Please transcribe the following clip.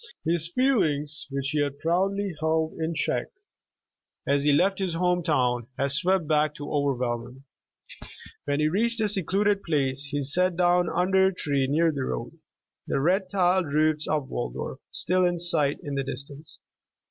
His feelings, which he had proudly held in check as he left his home town, had swept back to overwhelm him. When he reached a secluded place, he sat down un der a tree near the road, the red tiled roofs of Waldorf still in sight in the distance.